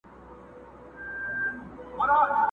له نارنج تر انارګله له پامیره تر کابله!.